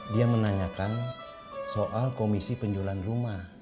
dia menanyakan soal komisi penjualan rumah